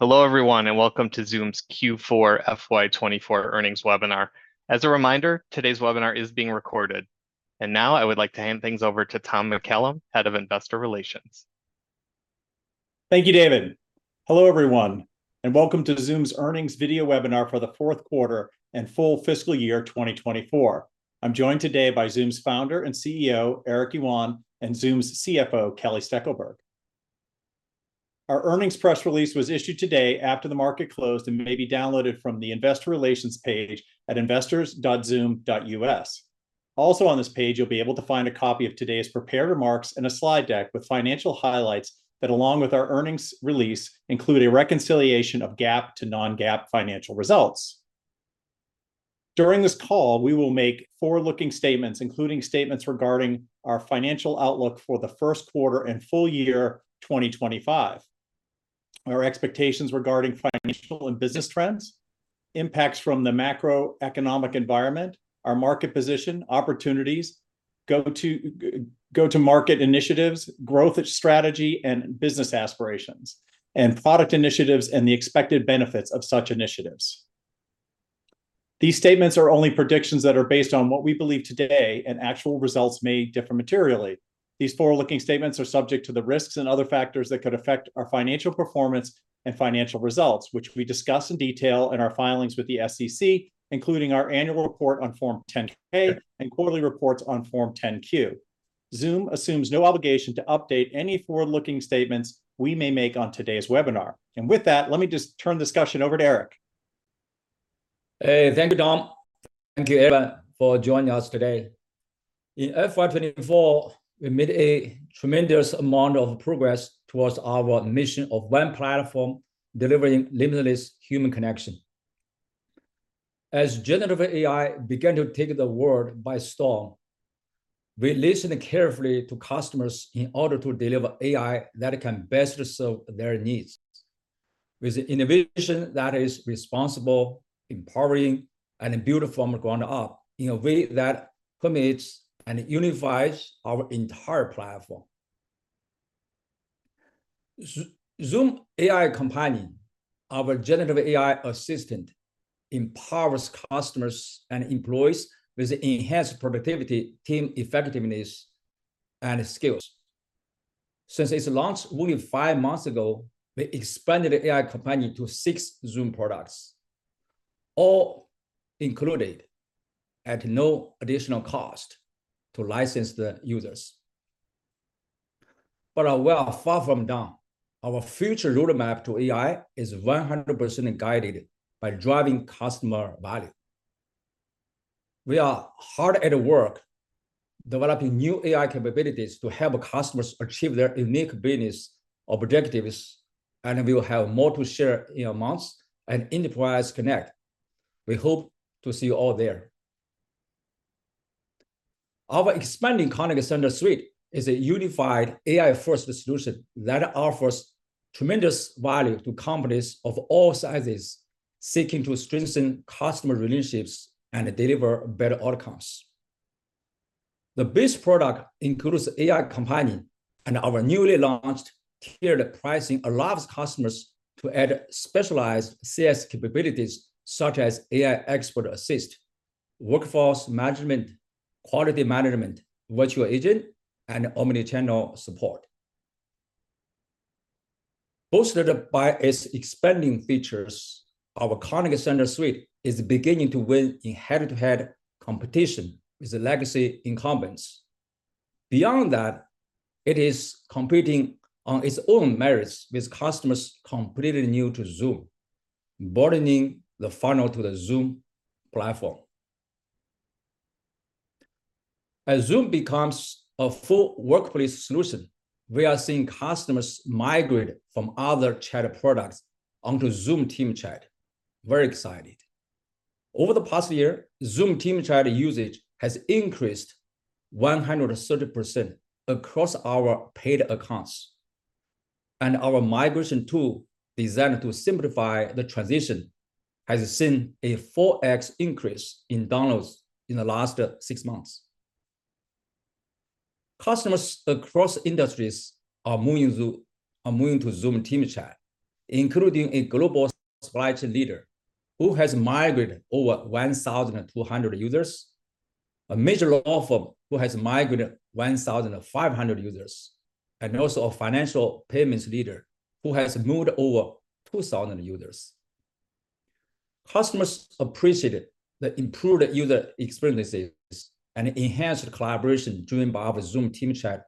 Hello, everyone, and welcome to Zoom's Q4 FY 2024 earnings webinar. As a reminder, today's webinar is being recorded. And now, I would like to hand things over to Tom McCallum, Head of Investor Relations. Thank you, David. Hello, everyone, and welcome to Zoom's earnings video webinar for the fourth quarter and full fiscal year 2024. I'm joined today by Zoom's founder and CEO, Eric Yuan, and Zoom's CFO, Kelly Steckelberg. Our earnings press release was issued today after the market closed and may be downloaded from the Investor Relations page at investors.zoom.us. Also on this page, you'll be able to find a copy of today's prepared remarks and a slide deck with financial highlights that, along with our earnings release, include a reconciliation of GAAP to non-GAAP financial results. During this call, we will make forward-looking statements, including statements regarding our financial outlook for the first quarter and full year 2025, our expectations regarding financial and business trends, impacts from the macroeconomic environment, our market position, opportunities, go-to-market initiatives, growth strategy, and business aspirations, and product initiatives and the expected benefits of such initiatives. These statements are only predictions that are based on what we believe today, and actual results may differ materially. These forward-looking statements are subject to the risks and other factors that could affect our financial performance and financial results, which we discuss in detail in our filings with the SEC, including our annual report on Form 10-K and quarterly reports on Form 10-Q. Zoom assumes no obligation to update any forward-looking statements we may make on today's webinar. With that, let me just turn the discussion over to Eric. Hey, thank you, Tom. Thank you, everyone, for joining us today. In FY 2024, we made a tremendous amount of progress towards our mission of one platform delivering limitless human connection. As generative AI began to take the world by storm, we listened carefully to customers in order to deliver AI that can best serve their needs, with innovation that is responsible, empowering, and built from the ground up in a way that permits and unifies our entire platform. Zoom AI Companion, our generative AI assistant, empowers customers and employees with enhanced productivity, team effectiveness, and skills. Since its launch only five months ago, we expanded AI Companion to six Zoom products, all included at no additional cost to licensed users. But we are far from done. Our future roadmap to AI is 100% guided by driving customer value. We are hard at work developing new AI capabilities to help customers achieve their unique business objectives, and we will have more to share in months at Enterprise Connect. We hope to see you all there. Our expanding Contact Center suite is a unified AI-first solution that offers tremendous value to companies of all sizes seeking to strengthen customer relationships and deliver better outcomes. The base product includes AI Companion, and our newly launched tiered pricing allows customers to add specialized CS capabilities, such as AI Expert Assist, workforce management, quality management, virtual agent, and omnichannel support. Boosted by its expanding features, our Contact Center suite is beginning to win in head-to-head competition with the legacy incumbents. Beyond that, it is competing on its own merits with customers completely new to Zoom, broadening the funnel to the Zoom platform. As Zoom becomes a full workplace solution, we are seeing customers migrate from other chat products onto Zoom Team Chat. Very excited. Over the past year, Zoom Team Chat usage has increased 130% across our paid accounts, and our migration tool, designed to simplify the transition, has seen a 4x increase in downloads in the last six months. Customers across industries are moving to Zoom Team Chat, including a global supply chain leader, who has migrated over 1,200 users, a major law firm, who has migrated 1,500 users, and also a financial payments leader, who has moved over 2,000 users. Customers appreciated the improved user experiences and enhanced collaboration driven by the Zoom Team Chat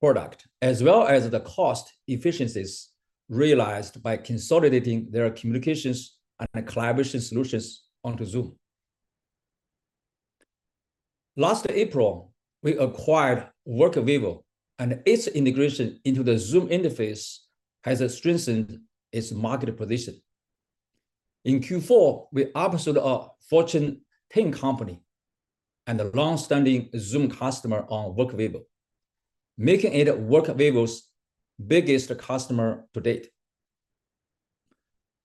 product, as well as the cost efficiencies realized by consolidating their communications and collaboration solutions onto Zoom. Last April, we acquired Workvivo, and its integration into the Zoom interface has strengthened its market position. In Q4, we observed a Fortune 10 company and a long-standing Zoom customer on Workvivo, making it Workvivo's biggest customer to date.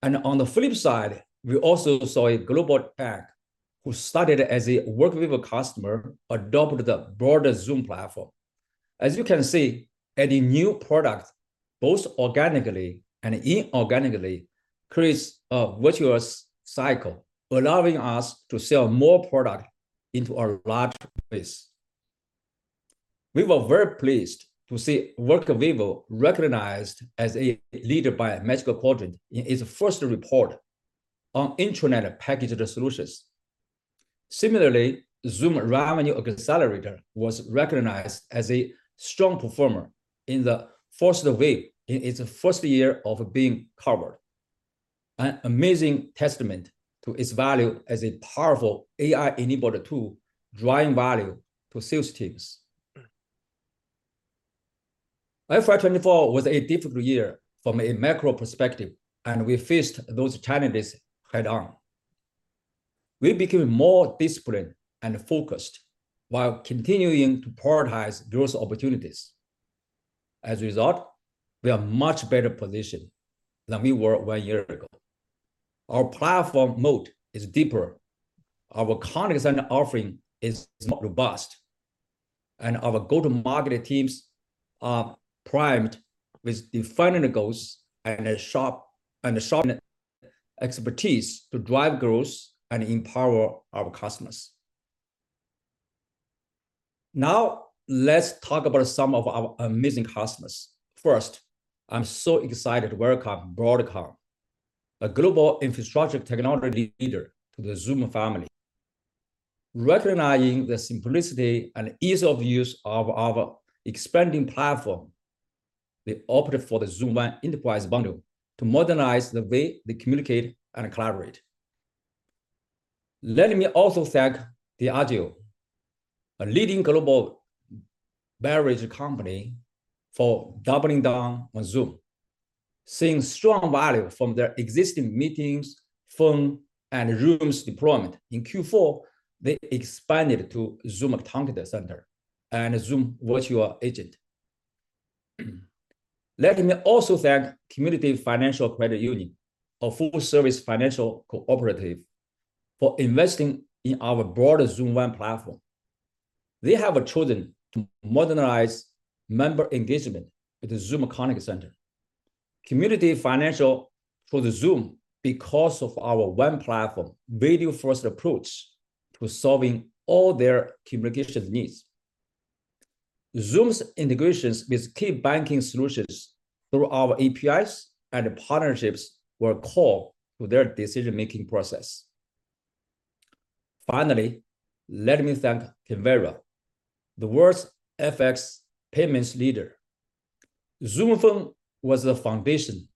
On the flip side, we also saw a global bank, who started as a Workvivo customer, adopt the broader Zoom platform.... As you can see, adding new products, both organically and inorganically, creates a virtuous cycle, allowing us to sell more product into our large base. We were very pleased to see Workvivo recognized as a leader by Magic Quadrant in its first report on intranet packaged solutions. Similarly, Zoom Revenue Accelerator was recognized as a strong performer in The Forrester Wave, in its first year of being covered. An amazing testament to its value as a powerful AI-enabled tool, driving value to sales teams. FY 2024 was a difficult year from a macro perspective, and we faced those challenges head-on. We became more disciplined and focused while continuing to prioritize growth opportunities. As a result, we are much better positioned than we were one year ago. Our platform moat is deeper, our contact center offering is more robust, and our go-to-market teams are primed with defined goals and a sharp expertise to drive growth and empower our customers. Now, let's talk about some of our amazing customers. First, I'm so excited to welcome Broadcom, a global infrastructure technology leader, to the Zoom family. Recognizing the simplicity and ease of use of our expanding platform, they opted for the Zoom One Enterprise bundle to modernize the way they communicate and collaborate. Let me also thank Diageo, a leading global beverage company, for doubling down on Zoom. Seeing strong value from their existing meetings, phone, and rooms deployment, in Q4, they expanded to Zoom Contact Center and Zoom Virtual Agent. Let me also thank Community Financial Credit Union, a full-service financial cooperative, for investing in our broader Zoom One platform. They have chosen to modernize member engagement with the Zoom Contact Center. Community Financial chose Zoom because of our One platform video-first approach to solving all their communication needs. Zoom's integrations with key banking solutions through our APIs and partnerships were core to their decision-making process. Finally, let me thank Convera, the world's FX payments leader. Zoom Phone was the foundation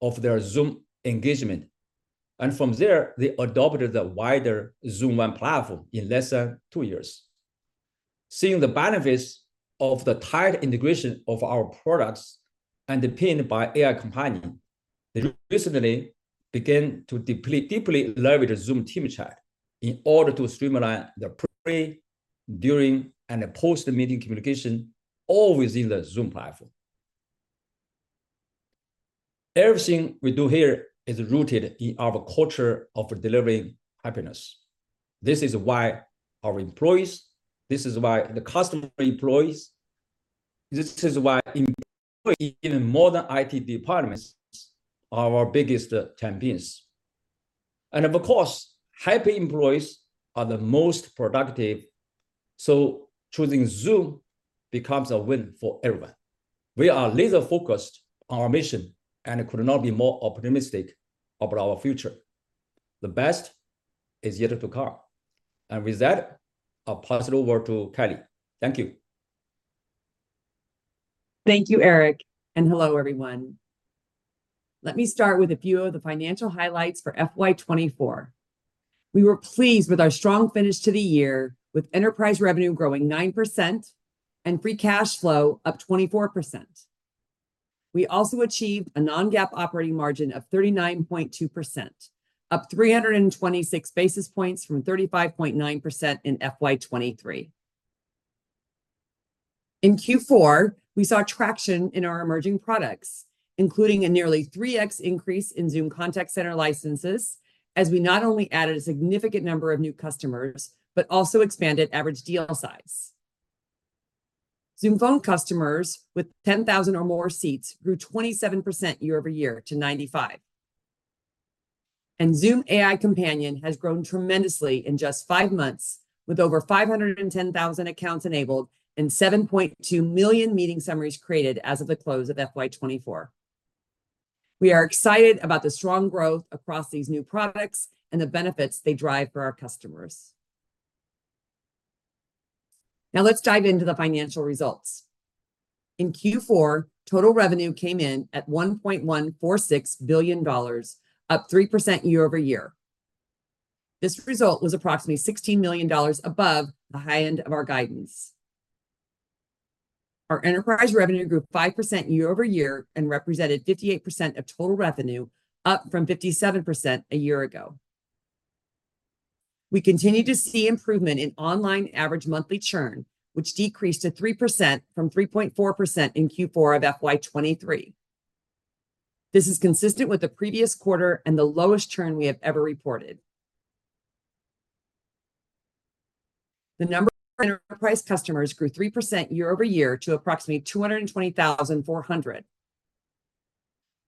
of their Zoom engagement, and from there, they adopted the wider Zoom One platform in less than two years. Seeing the benefits of the tight integration of our products and powered by AI Companion, they recently began to deeply leverage Zoom Team Chat in order to streamline the pre, during, and post-meeting communication, all within the Zoom platform. Everything we do here is rooted in our culture of delivering happiness. This is why our employees, this is why the customer employees, this is why employees in modern IT departments are our biggest champions. Of course, happy employees are the most productive, so choosing Zoom becomes a win for everyone. We are laser-focused on our mission and could not be more optimistic about our future. The best is yet to come. With that, I'll pass it over to Kelly. Thank you. Thank you, Eric, and hello, everyone. Let me start with a few of the financial highlights for FY 2024. We were pleased with our strong finish to the year, with enterprise revenue growing 9% and free cash flow up 24%. We also achieved a non-GAAP operating margin of 39.2%, up 326 basis points from 35.9% in FY 2023. In Q4, we saw traction in our emerging products, including a nearly 3x increase in Zoom Contact Center licenses, as we not only added a significant number of new customers, but also expanded average deal size. Zoom Phone customers with 10,000 or more seats grew 27% year-over-year to 95. Zoom AI Companion has grown tremendously in just five months, with over 510,000 accounts enabled and 7.2 million meeting summaries created as of the close of FY 2024. We are excited about the strong growth across these new products and the benefits they drive for our customers. Now let's dive into the financial results. In Q4, total revenue came in at $1.146 billion, up 3% year-over-year. This result was approximately $16 million above the high end of our guidance. Our enterprise revenue grew 5% year-over-year and represented 58% of total revenue, up from 57% a year ago. We continue to see improvement in online average monthly churn, which decreased to 3% from 3.4% in Q4 of FY 2023. This is consistent with the previous quarter and the lowest churn we have ever reported. The number of enterprise customers grew 3% year-over-year to approximately 220,400.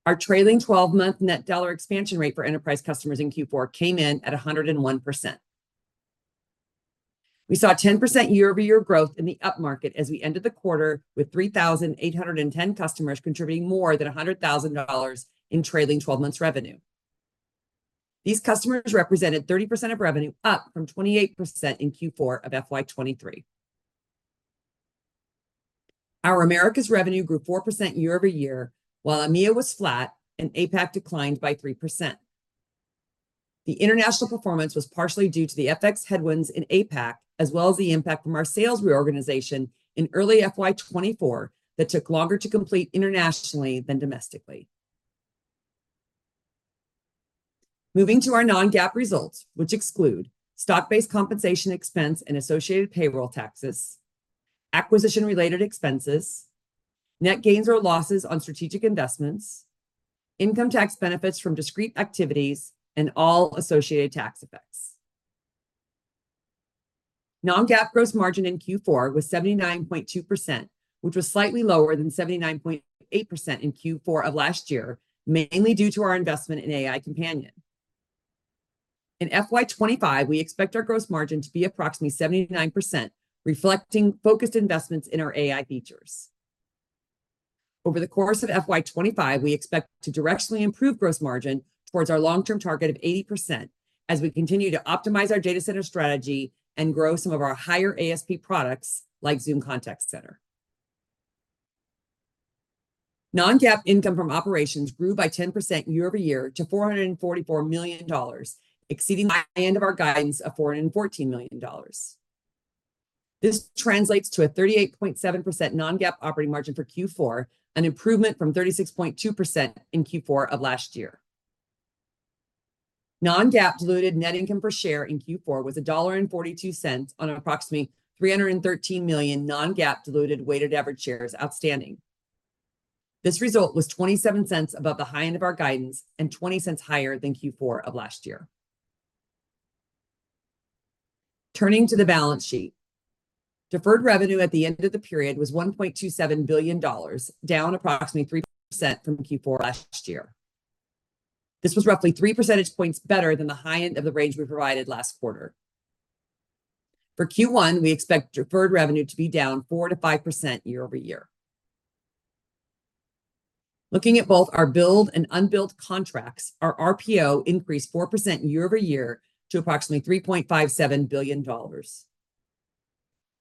Our trailing twelve-month net dollar expansion rate for enterprise customers in Q4 came in at 101%. We saw a 10% year-over-year growth in the upmarket as we ended the quarter with 3,810 customers, contributing more than $100,000 in trailing twelve-month revenue. These customers represented 30% of revenue, up from 28% in Q4 of FY 2023. Our Americas revenue grew 4% year-over-year, while EMEA was flat and APAC declined by 3%. The international performance was partially due to the FX headwinds in APAC, as well as the impact from our sales reorganization in early FY 2024 that took longer to complete internationally than domestically. Moving to our non-GAAP results, which exclude stock-based compensation expense and associated payroll taxes, acquisition-related expenses, net gains or losses on strategic investments, income tax benefits from discrete activities, and all associated tax effects. Non-GAAP gross margin in Q4 was 79.2%, which was slightly lower than 79.8% in Q4 of last year, mainly due to our investment in AI Companion. In FY 2025, we expect our gross margin to be approximately 79%, reflecting focused investments in our AI features. Over the course of FY 2025, we expect to directionally improve gross margin towards our long-term target of 80% as we continue to optimize our data center strategy and grow some of our higher ASP products, like Zoom Contact Center. Non-GAAP income from operations grew by 10% year-over-year to $444 million, exceeding the end of our guidance of $414 million. This translates to a 38.7% non-GAAP operating margin for Q4, an improvement from 36.2% in Q4 of last year. Non-GAAP diluted net income per share in Q4 was $1.42 on approximately 313 million non-GAAP diluted weighted average shares outstanding. This result was 27 cents above the high end of our guidance and 20 cents higher than Q4 of last year. Turning to the balance sheet, deferred revenue at the end of the period was $1.27 billion, down approximately 3% from Q4 last year. This was roughly three percentage points better than the high end of the range we provided last quarter. For Q1, we expect deferred revenue to be down 4% to 5% year-over-year. Looking at both our billed and unbilled contracts, our RPO increased 4% year-over-year to approximately $3.57 billion.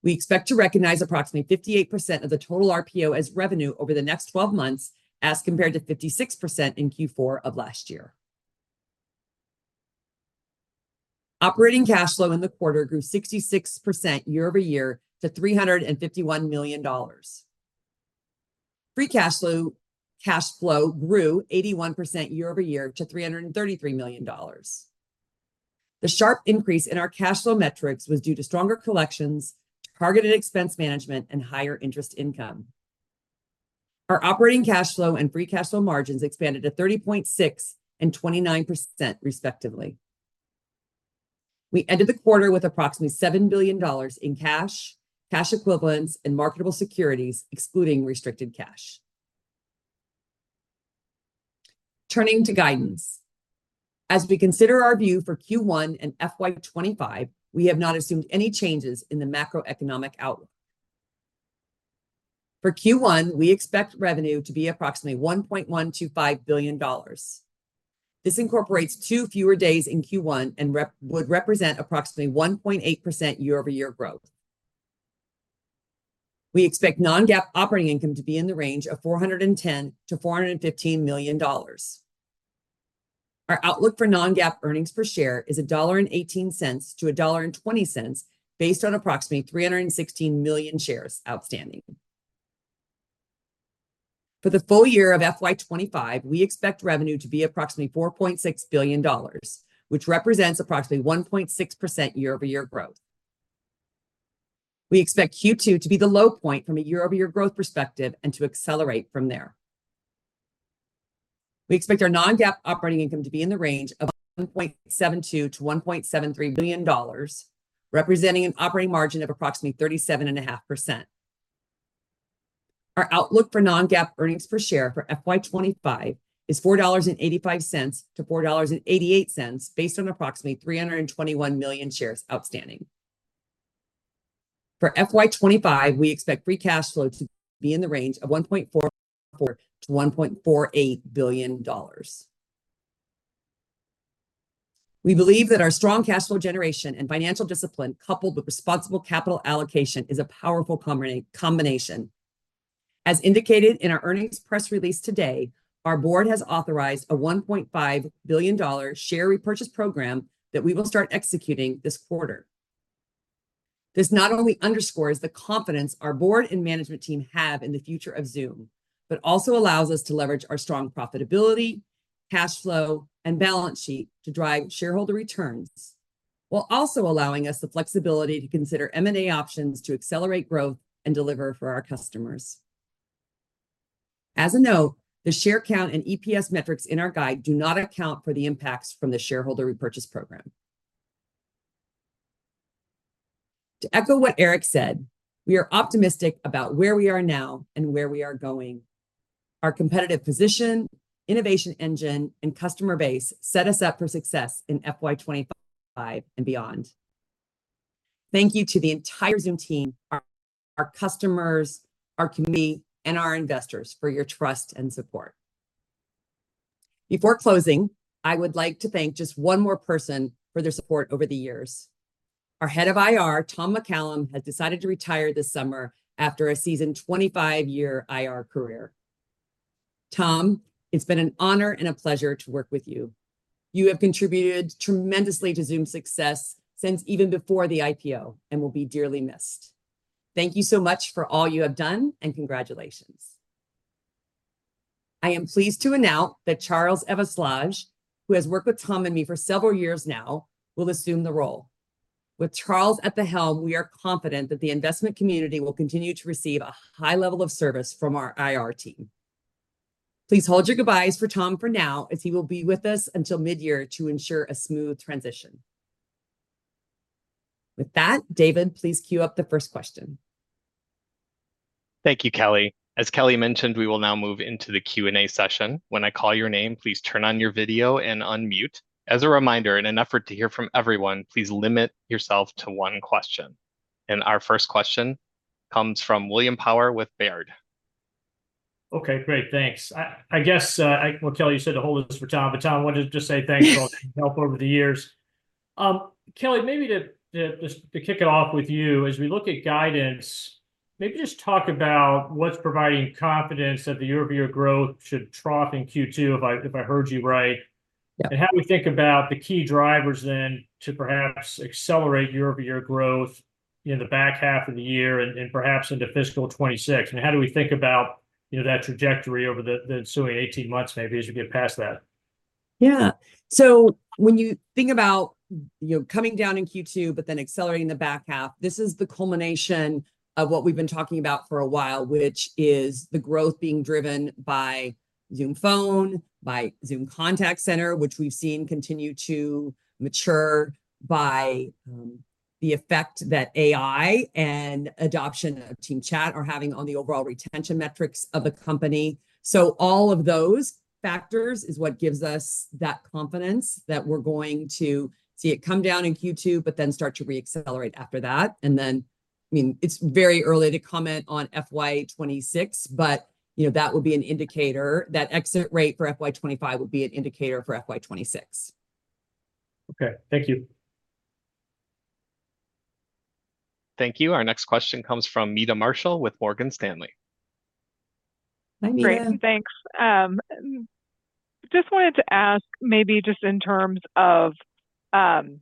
We expect to recognize approximately 58% of the total RPO as revenue over the next 12 months, as compared to 56% in Q4 of last year. Operating cash flow in the quarter grew 66% year-over-year to $351 million. Free cash flow, cash flow grew 81% year-over-year to $333 million. The sharp increase in our cash flow metrics was due to stronger collections, targeted expense management, and higher interest income. Our operating cash flow and free cash flow margins expanded to 30.6% and 29%, respectively. We ended the quarter with approximately $7 billion in cash, cash equivalents, and marketable securities, excluding restricted cash. Turning to guidance. As we consider our view for Q1 and FY 2025, we have not assumed any changes in the macroeconomic outlook. For Q1, we expect revenue to be approximately $1.125 billion. This incorporates two fewer days in Q1 and would represent approximately 1.8% year-over-year growth. We expect non-GAAP operating income to be in the range of $410 million to $415 million. Our outlook for non-GAAP earnings per share is $1.18 to $1.20, based on approximately 316 million shares outstanding. For the full year of FY25, we expect revenue to be approximately $4.6 billion, which represents approximately 1.6% year-over-year growth. We expect Q2 to be the low point from a year-over-year growth perspective and to accelerate from there. We expect our non-GAAP operating income to be in the range of $1.72 billion to $1.73 billion, representing an operating margin of approximately 37.5%. Our outlook for non-GAAP earnings per share for FY 2025 is $4.85 to $4.88, based on approximately 321 million shares outstanding. For FY 2025, we expect free cash flow to be in the range of $1.44 billion to $1.48 billion. We believe that our strong cash flow generation and financial discipline, coupled with responsible capital allocation, is a powerful combination. As indicated in our earnings press release today, our board has authorized a $1.5 billion share repurchase program that we will start executing this quarter. This not only underscores the confidence our board and management team have in the future of Zoom, but also allows us to leverage our strong profitability, cash flow, and balance sheet to drive shareholder returns, while also allowing us the flexibility to consider M&A options to accelerate growth and deliver for our customers. As a note, the share count and EPS metrics in our guide do not account for the impacts from the shareholder repurchase program. To echo what Eric said, we are optimistic about where we are now and where we are going. Our competitive position, innovation engine, and customer base set us up for success in FY 25 and beyond. Thank you to the entire Zoom team, our customers, our community, and our investors for your trust and support. Before closing, I would like to thank just one more person for their support over the years. Our head of IR, Tom McCallum, has decided to retire this summer after a seasoned 25-year IR career. Tom, it's been an honor and a pleasure to work with you. You have contributed tremendously to Zoom's success since even before the IPO, and will be dearly missed. Thank you so much for all you have done, and congratulations. I am pleased to announce that Charles Eveslage, who has worked with Tom and me for several years now, will assume the role. With Charles at the helm, we are confident that the investment community will continue to receive a high level of service from our IR team. Please hold your goodbyes for Tom for now, as he will be with us until midyear to ensure a smooth transition. With that, David, please queue up the first question. Thank you, Kelly. As Kelly mentioned, we will now move into the Q&A session. When I call your name, please turn on your video and unmute. As a reminder, in an effort to hear from everyone, please limit yourself to one question. Our first question comes from William Power with Baird. Okay, great. Thanks. I guess, well, Kelly, you said to hold this for Tom, but Tom, I wanted to just say thanks—for all your help over the years. Kelly, maybe to just kick it off with you, as we look at guidance, maybe just talk about what's providing confidence that the year-over-year growth should trough in Q2, if I heard you right. Yeah. How do we think about the key drivers then to perhaps accelerate year-over-year growth in the back half of the year, and perhaps into fiscal 26? How do we think about, you know, that trajectory over the ensuing 18 months, maybe as you get past that? Yeah. So when you think about, you know, coming down in Q2 but then accelerating the back half, this is the culmination of what we've been talking about for a while, which is the growth being driven by Zoom Phone, by Zoom Contact Center, which we've seen continue to mature, by the effect that AI and adoption of Team Chat are having on the overall retention metrics of the company. So all of those factors is what gives us that confidence that we're going to see it come down in Q2, but then start to re-accelerate after that. And then, I mean, it's very early to comment on FY 26, but, you know, that will be an indicator. That exit rate for FY 25 will be an indicator for FY 26. Okay, thank you. Thank you. Our next question comes from Meta Marshall with Morgan Stanley. Hi, Meta. Great, thanks. Just wanted to ask, maybe just in terms of, on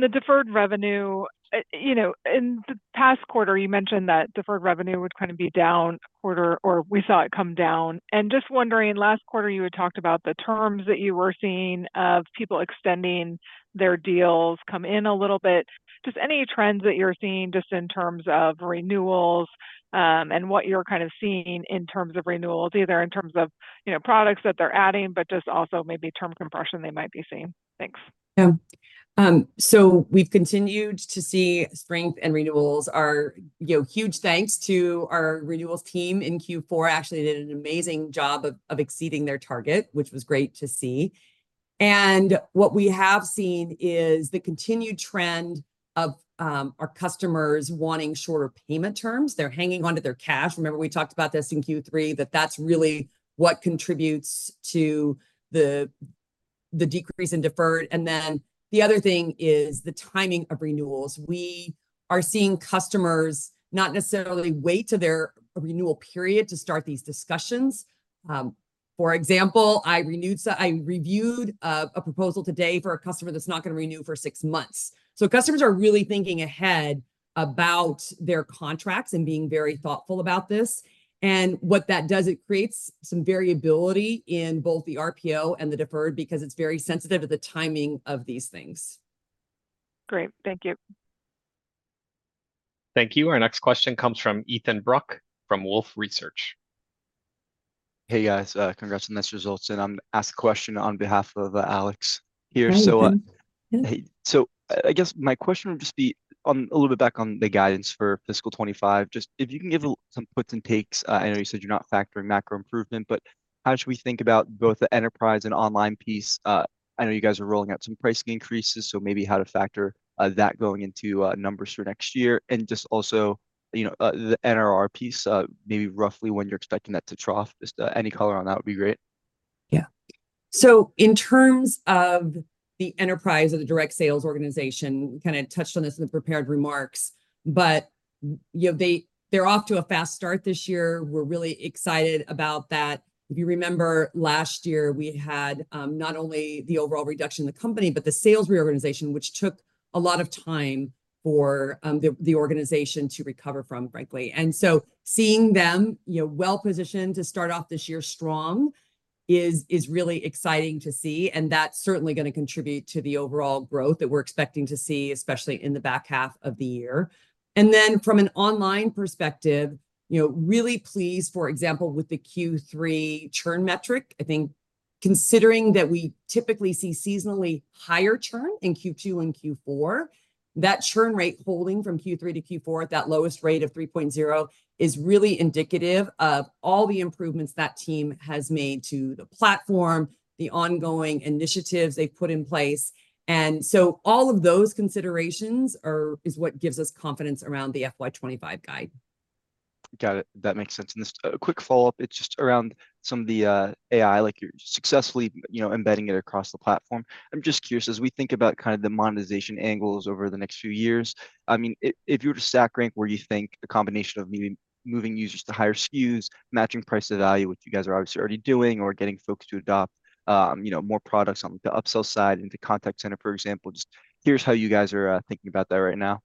the deferred revenue, you know, in the past quarter, you mentioned that deferred revenue would kind of be down a quarter, or we saw it come down. And just wondering, last quarter you had talked about the terms that you were seeing of people extending their deals come in a little bit. Just any trends that you're seeing just in terms of renewals, and what you're kind of seeing in terms of renewals, either in terms of, you know, products that they're adding, but just also maybe term compression they might be seeing? Thanks. Yeah. So we've continued to see strength in renewals. Our, you know, huge thanks to our renewals team in Q4, actually they did an amazing job of exceeding their target, which was great to see. And what we have seen is the continued trend of our customers wanting shorter payment terms. They're hanging on to their cash. Remember we talked about this in Q3, that that's really what contributes to the decrease in deferred. And then the other thing is the timing of renewals. We are seeing customers not necessarily wait to their renewal period to start these discussions. For example, I reviewed a proposal today for a customer that's not gonna renew for six months. So customers are really thinking ahead about their contracts and being very thoughtful about this. What that does, it creates some variability in both the RPO and the deferred, because it's very sensitive to the timing of these things. Great, thank you. Thank you. Our next question comes from Ethan Bruck, from Wolfe Research. Hey, guys, congrats on these results, and I'm gonna ask a question on behalf of Alex here. Hi, Ethan. So, uh- Yeah... hey, so I guess my question would just be on a little bit back on the guidance for fiscal 25. Just if you can give a little, some puts and takes. I know you said you're not factoring macro improvement, but how should we think about both the enterprise and online piece? I know you guys are rolling out some pricing increases, so maybe how to factor that going into numbers for next year. And just also, you know, the NRR piece, maybe roughly when you're expecting that to trough. Just any color on that would be great. Yeah. So in terms of the enterprise or the direct sales organization, we kind of touched on this in the prepared remarks, but, you know, they, they're off to a fast start this year. We're really excited about that. If you remember last year, we had not only the overall reduction in the company, but the sales reorganization, which took a lot of time for the organization to recover from, frankly. And so seeing them, you know, well-positioned to start off this year strong is really exciting to see, and that's certainly gonna contribute to the overall growth that we're expecting to see, especially in the back half of the year. And then from an online perspective, you know, really pleased, for example, with the Q3 churn metric. I think considering that we typically see seasonally higher churn in Q2 and Q4, that churn rate holding from Q3 to Q4 at that lowest rate of 3.0 is really indicative of all the improvements that team has made to the platform, the ongoing initiatives they've put in place, and so all of those considerations is what gives us confidence around the FY25 guide. Got it. That makes sense. And just a quick follow-up, it's just around some of the AI, like you're successfully, you know, embedding it across the platform. I'm just curious, as we think about kind of the monetization angles over the next few years, I mean, if you were to stack rank where you think the combination of moving, moving users to higher SKUs, matching price to value, which you guys are obviously already doing, or getting folks to adopt, you know, more products on the upsell side, into contact center, for example, just here's how you guys are thinking about that right now.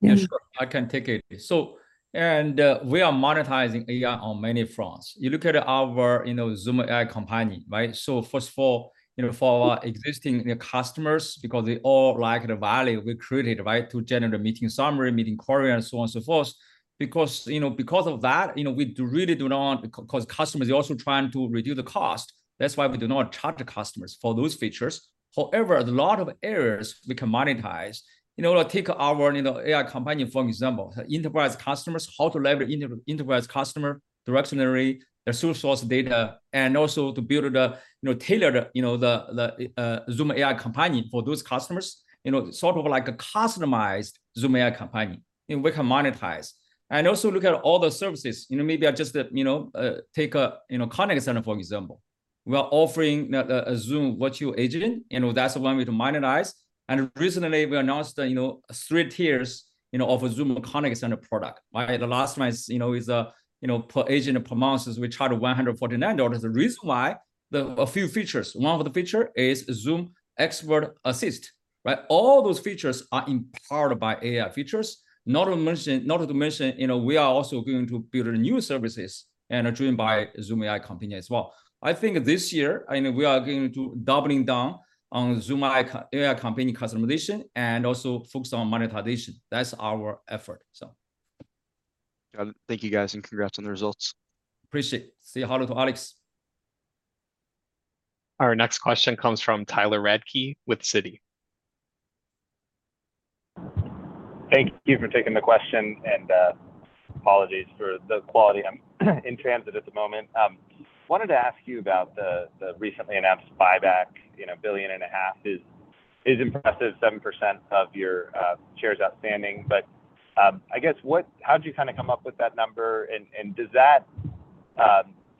Yeah. Yeah, sure, I can take it. So, and, we are monetizing AI on many fronts. You look at our, you know, Zoom AI Companion, right? So first of all, you know, for our existing, you know, customers, because they all like the value we created, right, to generate a meeting summary, meeting query, and so on and so forth, because, you know, because of that, you know, we do really do not... 'Cause customers are also trying to reduce the cost. That's why we do not charge the customers for those features. However, a lot of areas we can monetize, you know, like take our, you know, AI Companion, for example. Enterprise customers, how to leverage enter- enterprise customer dictionary, their source data, and also to build a, you know, tailored, you know, the, the, Zoom AI Companion for those customers. You know, sort of like a customized Zoom AI Companion, and we can monetize. And also look at all the services. You know, maybe I just take a contact center, for example. We are offering now a Zoom Virtual Agent, you know, that's one way to monetize, and recently we announced, you know, three tiers, you know, of Zoom Contact Center product. Right? The last one is, you know, is per agent, per month, is we charge $149. The reason why, a few features. One of the feature is AI Expert Assist, right? All those features are empowered by AI features. Not to mention, not to mention, you know, we are also going to build new services, and are driven by Zoom AI Companion as well. I think this year, I know we are going to doubling down on Zoom AI, AI Companion customization, and also focus on monetization. That's our effort, so... Got it. Thank you, guys, and congrats on the results. Appreciate. Say hello to Alex. Our next question comes from Tyler Radke with Citi. Thank you for taking the question, and apologies for the quality. I'm in transit at the moment. Wanted to ask you about the recently announced buyback. You know, $1.5 billion is impressive, 7% of your shares outstanding. But I guess what... How'd you kind of come up with that number, and does that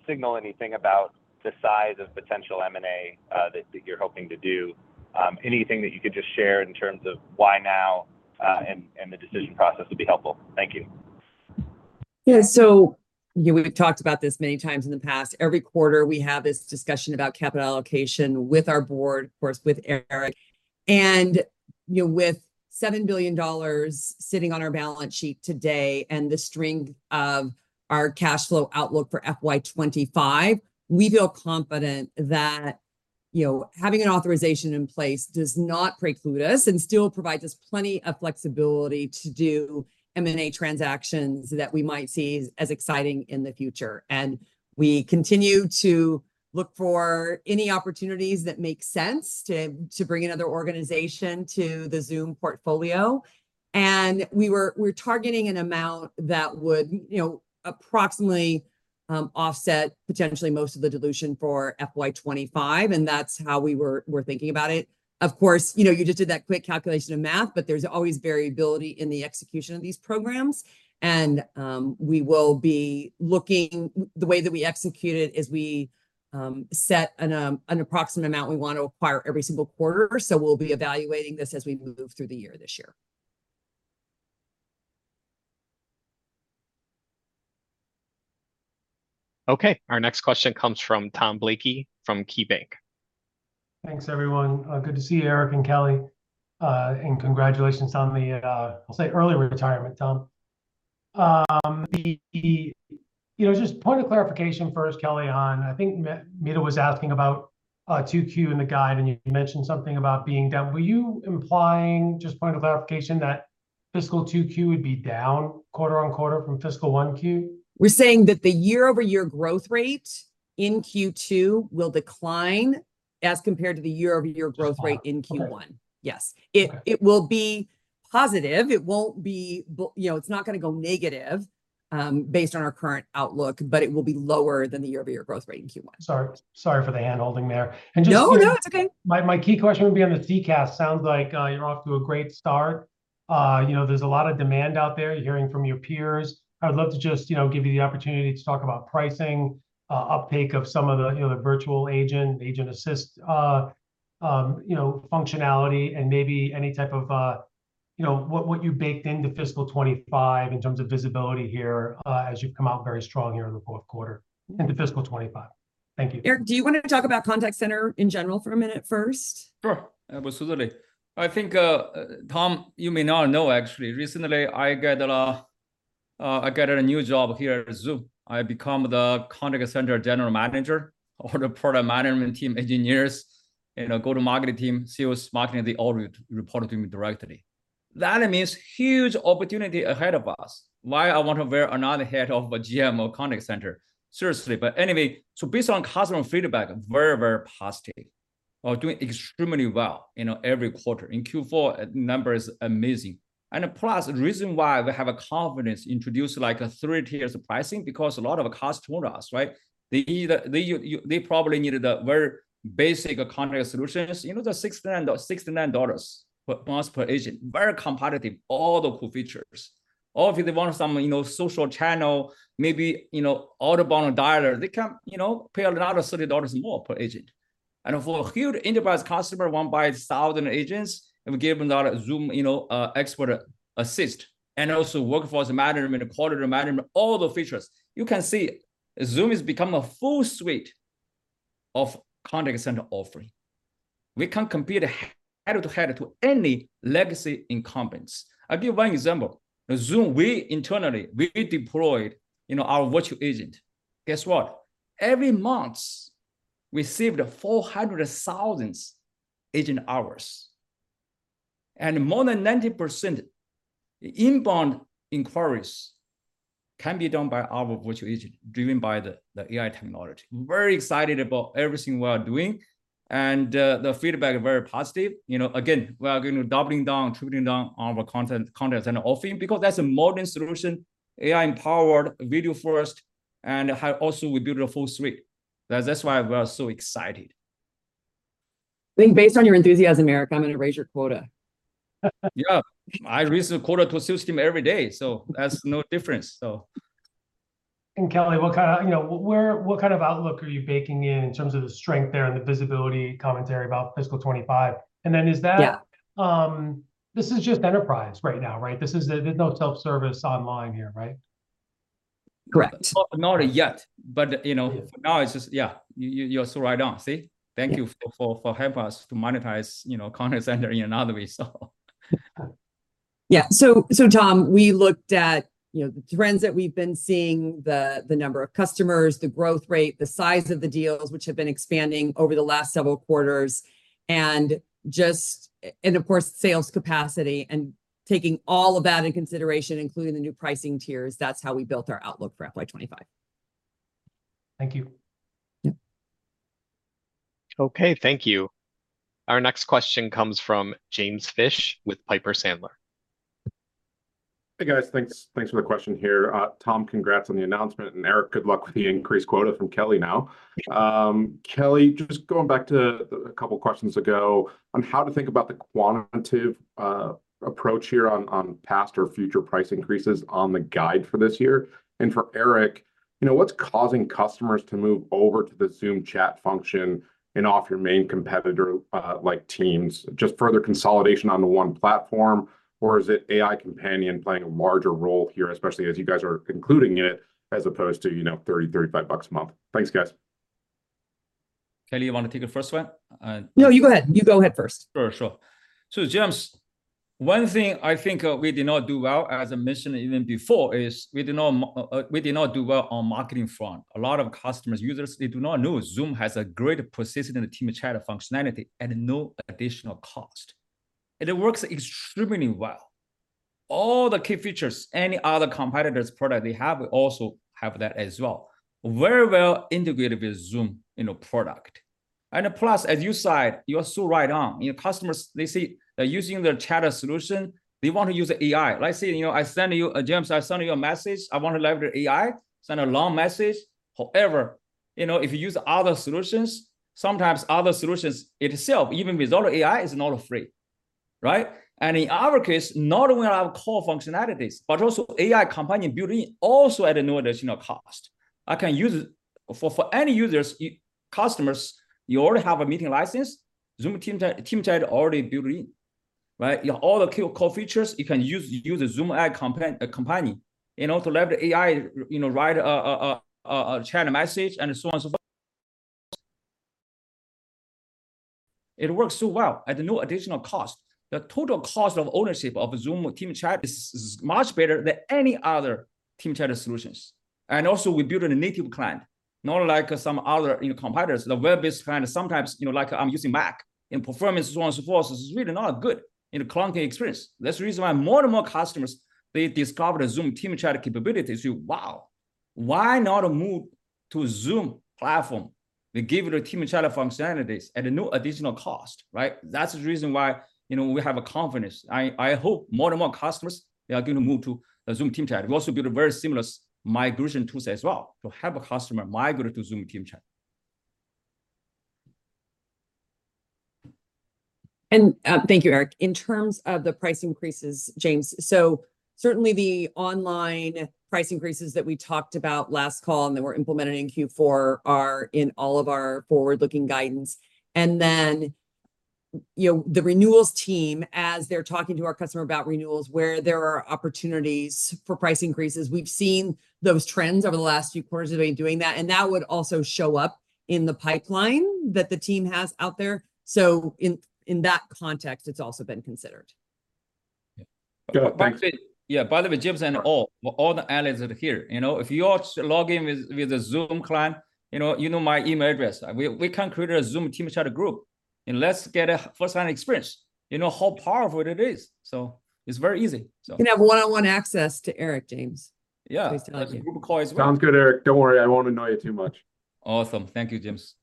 signal anything about the size of potential M&A that you're hoping to do? Anything that you could just share in terms of why now, and the decision process would be helpful. Thank you. Yeah, so, you know, we've talked about this many times in the past. Every quarter we have this discussion about capital allocation with our board, of course, with Eric. And, you know, with $7 billion sitting on our balance sheet today, and the strength of our cash flow outlook for FY25, we feel confident that, you know, having an authorization in place does not preclude us, and still provides us plenty of flexibility to do M&A transactions that we might see as exciting in the future. And we continue to look for any opportunities that make sense to bring another organization to the Zoom portfolio. And we're targeting an amount that would, you know, approximately, offset potentially most of the dilution for FY25, and that's how we're thinking about it. Of course, you know, you just did that quick calculation of math, but there's always variability in the execution of these programs. And, we will be looking... The way that we execute it is we set an approximate amount we want to acquire every single quarter, so we'll be evaluating this as we move through the year this year. Okay, our next question comes from Tom Blakey, from KeyBanc. Thanks, everyone. Good to see you, Eric and Kelly. Congratulations on the, I'll say early retirement, Tom. You know, just point of clarification first, Kelly, on I think Meta was asking about, 2Q and the guide, and you mentioned something about being down. Were you implying, just point of clarification, that fiscal 2Q would be down quarter on quarter from fiscal 1Q? We're saying that the year-over-year growth rate in Q2 will decline as compared to the year-over-year growth rate. Down. Okay... in Q1. Yes. Okay. It will be positive. It won't be, you know, it's not gonna go negative, based on our current outlook, but it will be lower than the year-over-year growth rate in Q1. Sorry, sorry for the handholding there. And just to- No, no, it's okay. My key question would be on the CCaaS. Sounds like you're off to a great start. You know, there's a lot of demand out there. You're hearing from your peers. I would love to just, you know, give you the opportunity to talk about pricing, uptake of some of the, you know, the virtual agent, agent assist, you know, functionality, and maybe any type of, you know, what you baked into fiscal 2025 in terms of visibility here, as you've come out very strong here in the fourth quarter, into fiscal 2025. Thank you. Eric, do you want to talk about contact center in general for a minute first? Sure. Absolutely. I think, Tom, you may not know, actually, recently I got a new job here at Zoom. I become the contact center general manager. All the product management team, engineers, and our go-to-market team, sales, marketing, they all report to me directly. That means huge opportunity ahead of us. Why I want to be another head of a GTM contact center? Seriously, but anyway, so based on customer feedback, very, very positive. We're doing extremely well, you know, every quarter. In Q4, number is amazing. Plus, the reason why we have a confidence introduce, like, three tiers of pricing, because a lot of the customers told us, right? They probably needed a very basic contact solutions. You know, the $69 per month per agent, very competitive, all the cool features. Or if they want some, you know, social channel, maybe, you know, auto dialer, they can, you know, pay another $30 more per agent. And for a huge enterprise customer, one buys a thousand agents, and we give them the Zoom, you know, Expert Assist, and also workforce management, quality management, all the features. You can see Zoom has become a full suite of contact center offering. We can compete head-to-head to any legacy incumbents. I'll give you one example. Zoom, we internally, we deployed, you know, our virtual agent. Guess what? Every month, we saved 400,000 agent hours, and more than 90% inbound inquiries can be done by our virtual agent, driven by the AI technology. Very excited about everything we are doing, and the feedback is very positive. You know, again, we are going to doubling down, tripling down on our contact center offering, because that's a modern solution, AI-powered, video first, and have also we build a full suite. That's why we are so excited. I think based on your enthusiasm, Eric, I'm gonna raise your quota. Yeah, I raise the quota to sales team every day, so that's no difference, so... Kelly, what kind of, you know, where, what kind of outlook are you baking in, in terms of the strength there and the visibility commentary about fiscal 2025? And then is that- Yeah. This is just enterprise right now, right? This is the, there's no self-service online here, right? Correct. Not yet, but, you know- Yeah... now it's just, yeah, you, you're so right on, see? Yeah. Thank you for helping us to monetize, you know, contact center in another way, so. Yeah, so Tom, we looked at, you know, the trends that we've been seeing, the number of customers, the growth rate, the size of the deals, which have been expanding over the last several quarters, and just, and of course, sales capacity, and taking all of that into consideration, including the new pricing tiers, that's how we built our outlook for FY 2025. Thank you. Yep. Okay, thank you. Our next question comes from James Fish with Piper Sandler. Hey, guys. Thanks, thanks for the question here. Tom, congrats on the announcement, and Eric, good luck with the increased quota from Kelly now. Kelly, just going back to a couple questions ago, on how to think about the quantitative approach here on past or future price increases on the guide for this year. And for Eric, you know, what's causing customers to move over to the Zoom chat function and off your main competitor, like Teams? Just further consolidation onto one platform, or is it AI companion playing a larger role here, especially as you guys are including it, as opposed to, you know, $30, $35 a month? Thanks, guys. Kelly, you want to take it first one? No, you go ahead. You go ahead first. Sure, sure. So James, one thing I think we did not do well, as I mentioned even before, is we did not do well on marketing front. A lot of customers, users, they do not know Zoom has a great persistent and team chat functionality at no additional cost. And it works extremely well. All the key features, any other competitor's product they have, we also have that as well. Very well integrated with Zoom, you know, product. And plus, as you said, you are so right on. You know, customers, they see, they're using their chat solution, they want to use the AI. Like, say, you know, I send you a message, I send you a message, I want to allow the AI, send a long message. However, you know, if you use other solutions, sometimes other solutions itself, even with all AI, is not free, right? And in our case, not only our core functionalities, but also AI Companion building, also at no additional cost. I can use it. For any users, customers, you already have a meeting license, Zoom Team Chat, Team Chat already built in, right? You know, all the key core features, you can use the Zoom AI Companion, you know, to let the AI, you know, write a chat message, and so on and so forth. It works so well at no additional cost. The total cost of ownership of Zoom Team Chat is much better than any other team chat solutions. And also, we built a native client, not like some other, you know, competitors. The web-based client is sometimes, you know, like I'm using Mac, and performance, so on and so forth, is really not good in a clunky experience. That's the reason why more and more customers, they discover the Zoom Team Chat capabilities, say, "Wow, why not move to Zoom platform? They give you the team chat functionalities at no additional cost," right? That's the reason why, you know, we have a confidence. I, I hope more and more customers, they are gonna move to the Zoom Team Chat. We also build a very similar migration tools as well, to help a customer migrate to Zoom Team Chat. Thank you, Eric. In terms of the price increases, James, so certainly the online price increases that we talked about last call and that were implemented in Q4 are in all of our forward-looking guidance. And then, you know, the renewals team, as they're talking to our customer about renewals, where there are opportunities for price increases, we've seen those trends over the last few quarters, they've been doing that, and that would also show up in the pipeline that the team has out there. So in that context, it's also been considered. Yeah. Go ahead, please. Yeah, by the way, James, and all the analysts that are here, you know, if you are logging in with the Zoom client, you know my email address. We can create a Zoom Team Chat group, and let's get a first-hand experience. You know, how powerful it is, so it's very easy, so- You can have one-on-one access to Eric, James. Yeah. Pleased to help you. Sounds good, Eric. Don't worry, I won't annoy you too much. Awesome. Thank you, James.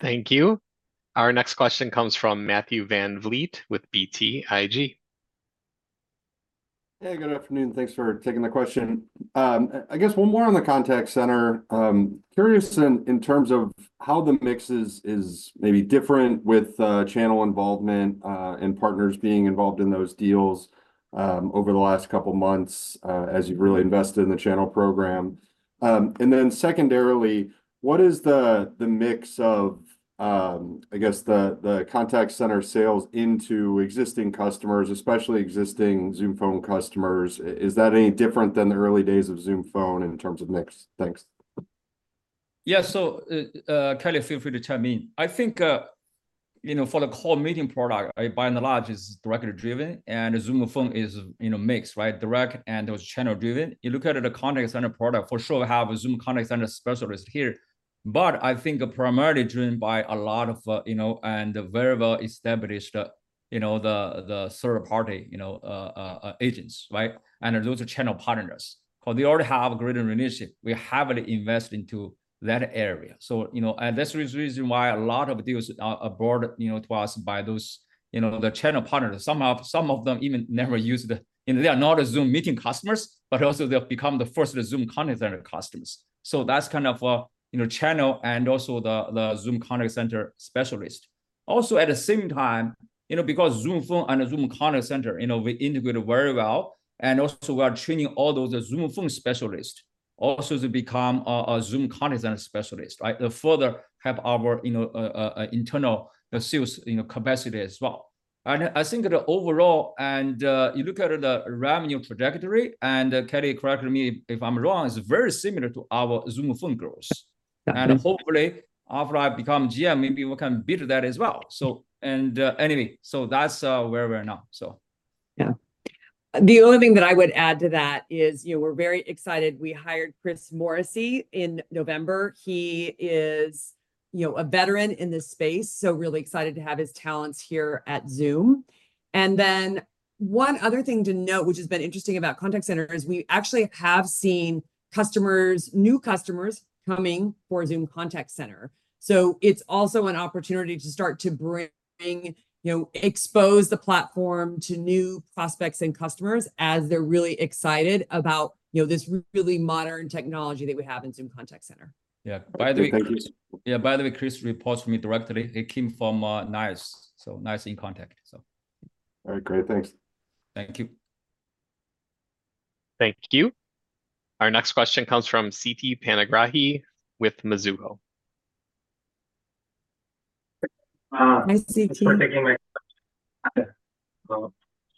Thank you. Our next question comes from Matthew VanVliet with BTIG. Hey, good afternoon. Thanks for taking the question. I guess one more on the contact center. Curious in terms of how the mix is maybe different with channel involvement and partners being involved in those deals over the last couple of months as you've really invested in the channel program. And then secondarily, what is the mix of the contact center sales into existing customers, especially existing Zoom Phone customers? Is that any different than the early days of Zoom Phone in terms of mix? Thanks. Yeah, so, Kelly, feel free to chime in. I think, you know, for the core meeting product, by and large, it's directly driven, and Zoom Phone is, you know, mixed, right? Direct and those channel driven. You look at the contact center product, for sure we have a Zoom Contact Center specialist here. But I think primarily driven by a lot of, you know, and the very well established, you know, the third-party, you know, agents, right? And those are channel partners, for they already have a great relationship. We haven't invested into that area. So, you know, and that's the reason why a lot of deals are brought, you know, to us by those, you know, the channel partners. Some of them even never used the... They are not Zoom Meeting customers, but also they've become the first Zoom Contact Center customers. So that's kind of, you know, channel and also the Zoom Contact Center specialist. Also at the same time, you know, because Zoom Phone and the Zoom Contact Center, you know, we integrate very well, and also we are training all those Zoom Phone specialists, also to become a Zoom Contact Center specialist, right? To further help our, you know, internal sales, you know, capacity as well. And I think that overall, and you look at the revenue trajectory, and Kelly, correct me if I'm wrong, is very similar to our Zoom Phone growth. Yeah. Hopefully, after I become GM, maybe we can beat that as well. So, anyway, that's where we are now, so. Yeah. The only thing that I would add to that is, you know, we're very excited. We hired Chris Morrissey in November. He is, you know, a veteran in this space, so really excited to have his talents here at Zoom. And then one other thing to note, which has been interesting about Contact Center, is we actually have seen customers, new customers, coming for Zoom Contact Center. So it's also an opportunity to start to bring, you know, expose the platform to new prospects and customers as they're really excited about, you know, this really modern technology that we have in Zoom Contact Center. Yeah. By the way, Chris- Thank you. Yeah, by the way, Chris reports to me directly. He came from, NICE, so NICE inContact, so. All right, great. Thanks. Thank you. Thank you. Our next question comes from Siti Panigrahi with Mizuho. Hi, Siti. Thanks for taking my...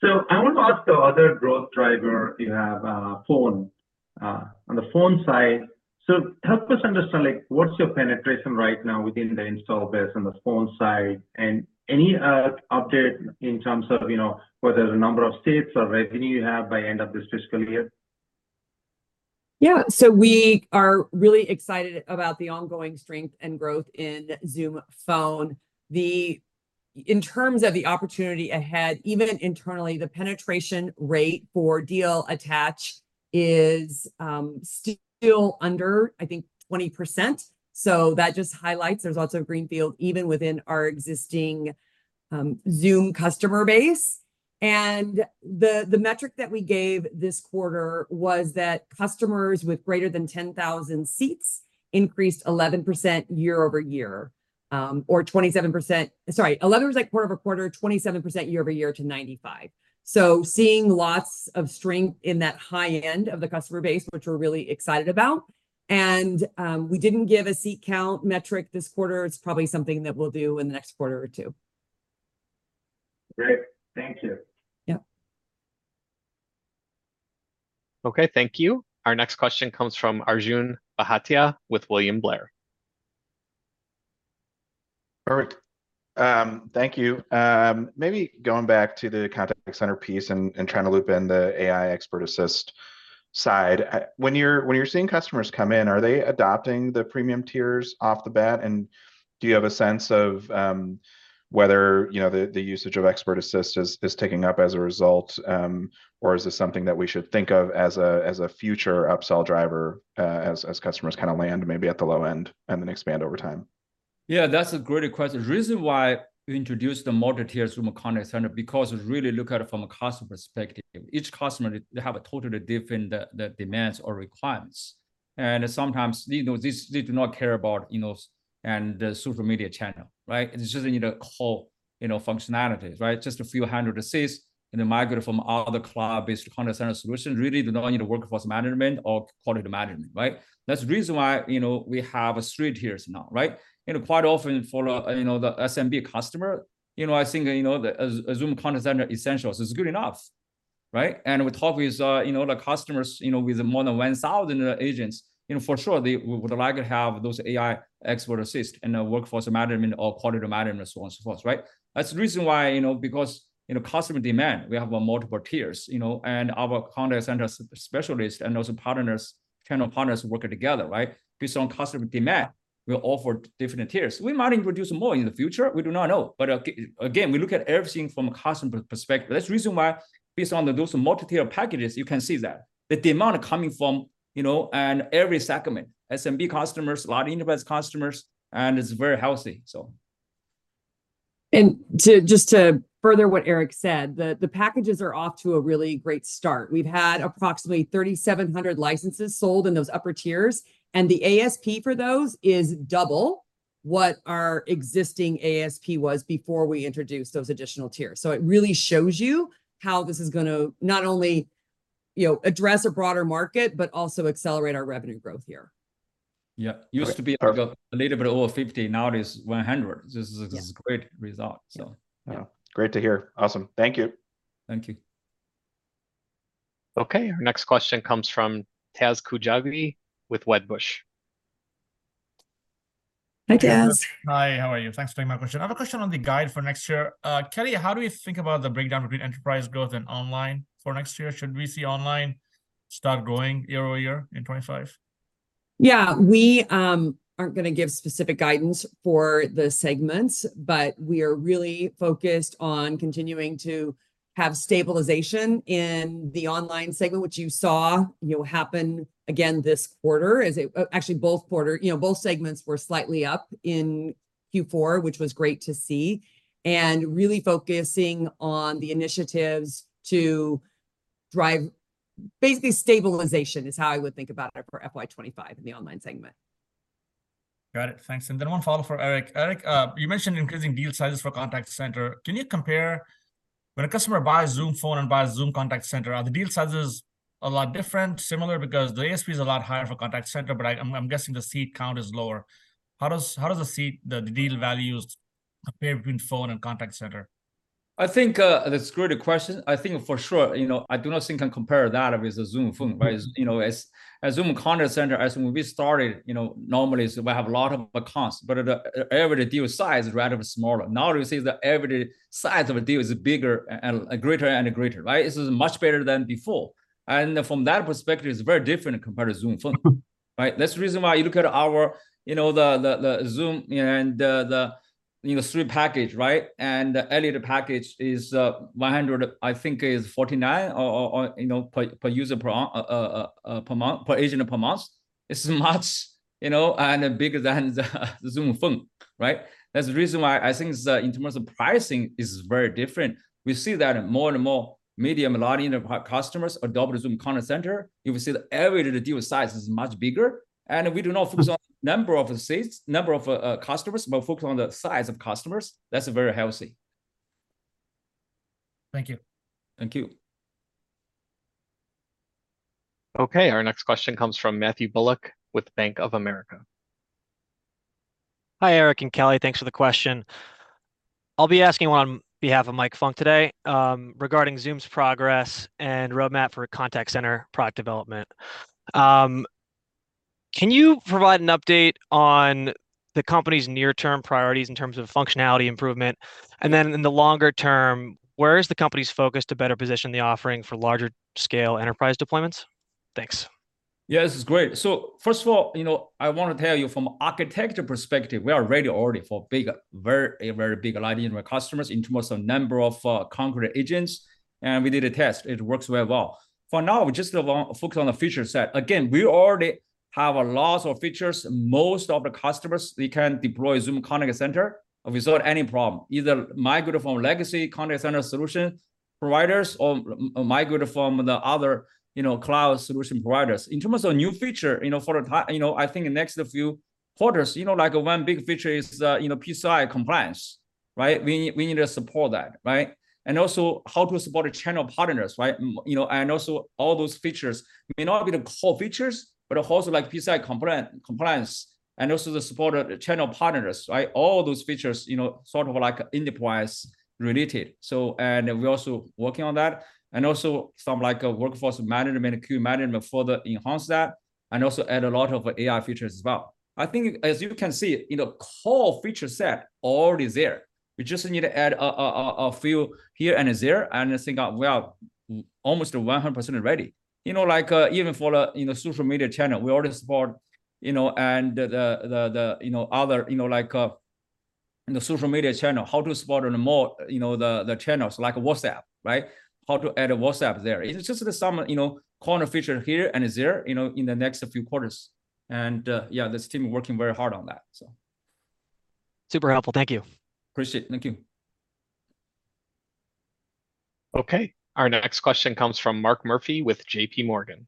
so I want to ask the other growth driver you have, phone, on the phone side. So help us understand, like, what's your penetration right now within the installed base on the phone side, and any update in terms of, you know, whether the number of seats or revenue you have by end of this fiscal year? Yeah, so we are really excited about the ongoing strength and growth in Zoom Phone. In terms of the opportunity ahead, even internally, the penetration rate for deal attach is still under, I think, 20%. So that just highlights there's lots of greenfield, even within our existing Zoom customer base. And the metric that we gave this quarter was that customers with greater than 10,000 seats increased 11% year-over-year, or 27%... Sorry, 11% was like quarter-over-quarter, 27% year-over-year to 95. So seeing lots of strength in that high end of the customer base, which we're really excited about. And we didn't give a seat count metric this quarter. It's probably something that we'll do in the next quarter or two. Great, thank you. Yeah. Okay, thank you. Our next question comes from Arjun Bhatia with William Blair. All right, thank you. Maybe going back to the contact center piece and trying to loop in the AI Expert Assist side, when you're seeing customers come in, are they adopting the premium tiers off the bat? And do you have a sense of whether, you know, the usage of Expert Assist is ticking up as a result, or is this something that we should think of as a future upsell driver, as customers kind of land maybe at the low end and then expand over time? Yeah, that's a great question. The reason why we introduced the multi-tiers for a contact center, because we really look at it from a customer perspective. Each customer, they have a totally different demands or requirements. And sometimes, you know, they, they do not care about, you know, and the social media channel, right? They just need a call, you know, functionalities, right? Just a few hundred seats, and they migrate from other cloud-based contact center solutions, really, they don't need a workforce management or quality management, right? That's the reason why, you know, we have a suite here now, right? You know, quite often for, you know, the SMB customer, you know, I think, you know, a Zoom Contact Center Essentials is good enough.... right? And we talk with, you know, the customers, you know, with more than 1,000 agents. You know, for sure, they would like to have those AI Expert Assist in the workforce management or quality management, so on, so forth, right? That's the reason why, you know, because, you know, customer demand, we have a multiple tiers, you know, and our contact center specialists and also partners, channel partners working together, right? Based on customer demand, we'll offer different tiers. We might introduce more in the future, we do not know. But again, we look at everything from a customer perspective. That's the reason why based on the those multi-tiered packages, you can see that, that the demand are coming from, you know, and every segment, SMB customers, a lot of enterprise customers, and it's very healthy, so. To just further what Eric said, the packages are off to a really great start. We've had approximately 3,700 licenses sold in those upper tiers, and the ASP for those is double what our existing ASP was before we introduced those additional tiers. So it really shows you how this is gonna not only, you know, address a broader market, but also accelerate our revenue growth here. Yeah. Perfect. Used to be a little bit over 50, now it is 100. Yeah. This is a great result, so. Yeah. Yeah. Great to hear. Awesome. Thank you. Thank you. Okay, our next question comes from Taz Koujalgi with Wedbush. Hi, Taz. Hi, how are you? Thanks for taking my question. I have a question on the guide for next year. Kelly, how do you think about the breakdown between enterprise growth and online for next year? Should we see online start growing year-over-year in 2025? Yeah, we aren't gonna give specific guidance for the segments, but we are really focused on continuing to have stabilization in the online segment, which you saw, you know, happen again this quarter. Actually, both quarters, you know, both segments were slightly up in Q4, which was great to see. And really focusing on the initiatives to drive, basically stabilization is how I would think about it for FY 2025 in the online segment. Got it. Thanks. And then one follow for Eric. Eric, you mentioned increasing deal sizes for Contact Center. Can you compare when a customer buys Zoom Phone and buys Zoom Contact Center, are the deal sizes a lot different? Similar, because the ASP is a lot higher for Contact Center, but I, I'm guessing the seat count is lower. How does the seat, the deal values compare between Phone and Contact Center? I think, that's a great question. I think for sure, you know, I do not think I compare that with the Zoom Phone, right? Mm-hmm. You know, as Zoom Contact Center, as when we started, you know, normally we have a lot of accounts, but the average deal size is rather smaller. Now we see the average size of a deal is bigger and greater and greater, right? This is much better than before. And from that perspective, it's very different compared to Zoom Phone. Mm-hmm. Right? That's the reason why you look at our, you know, the Zoom One and the three package, right? And the earlier package is $149 or, you know, per user per month, per agent per month. It's much, you know, and bigger than the Zoom Phone, right? That's the reason why I think the in terms of pricing is very different. We see that more and more medium and large enterprise customers adopt Zoom Contact Center. You will see the average of the deal size is much bigger, and we do not focus on- Mm-hmm ... number of seats, number of customers, but focus on the size of customers. That's very healthy. Thank you. Thank you. Okay, our next question comes from Matthew Bullock with Bank of America. Hi, Eric and Kelly. Thanks for the question. I'll be asking on behalf of Mike Funk today, regarding Zoom's progress and roadmap for Contact Center product development. Can you provide an update on the company's near-term priorities in terms of functionality improvement? And then in the longer term, where is the company's focus to better position the offering for larger scale enterprise deployments? Thanks. Yeah, this is great. So first of all, you know, I want to tell you from architecture perspective, we are ready already for big, very, a very big large enterprise customers, in terms of number of concurrent agents, and we did a test. It works very well. For now, we just focus on the feature set. Again, we already have a lot of features. Most of the customers, they can deploy Zoom Contact Center without any problem, either migrate from legacy contact center solution providers or migrate from the other, you know, cloud solution providers. In terms of new feature, you know, I think the next few quarters, you know, like one big feature is, you know, PCI compliance, right? We, we need to support that, right? And also, how to support the channel partners, right? You know, and also all those features may not be the core features, but also, like PCI compliance, and also the support of the channel partners, right? All those features, you know, sort of like enterprise related. So we're also working on that, and also some like a workforce management and queue management, further enhance that, and also add a lot of AI features as well. I think as you can see, you know, core feature set already there. We just need to add a few here and there, and I think we are almost 100% ready. You know, like, even for a, you know, social media channel, we already support, you know, and the, you know, like, the social media channel, how to support more, you know, the channels, like WhatsApp, right? How to add WhatsApp there. It's just some, you know, corner feature here and there, you know, in the next few quarters. And yeah, this team working very hard on that, so. Super helpful. Thank you. Appreciate it. Thank you. Okay, our next question comes from Mark Murphy with JP Morgan.